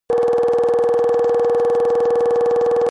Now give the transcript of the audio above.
Дохутыр щхьэ зомыгъэплърэ?